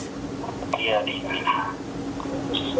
iya di sini